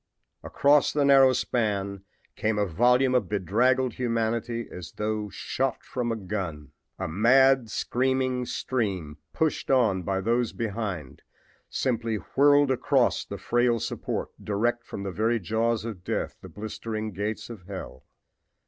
Across the narrow span came a volume of bedraggled humanity as though shot from a gun. A mad, screaming stream, pushed on by those behind, simply whirled across the frail support, direct from the very jaws of death, the blistering gates of hell.